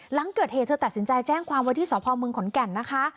หลังเกิดเหตุเธอตัดสินใจแจ้งความว่าที่สพเมืองขอนแก่นนะคะ